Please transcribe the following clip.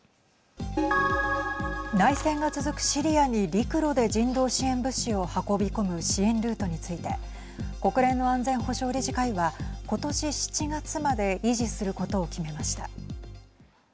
内戦が続くシリアに陸路で人道支援物資を運び込む支援ルートについて国連の安全保障理事会は今年７月まで維持することを決めました。